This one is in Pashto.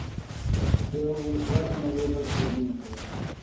د وړوکوالي نه يو بل سره مينه کوله